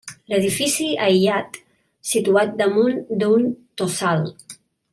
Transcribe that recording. Edifici aïllat situat damunt d'un tossal.